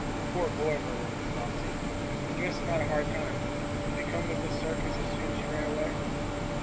"Poor boy!" murmured Mrs. Bobbsey. "You must have had a hard time. Did you come with this circus as soon as you ran away?"